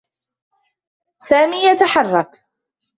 سامي يتحرّك.